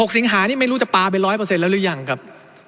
สิงหานี่ไม่รู้จะปลาไป๑๐๐แล้วหรือยังครับ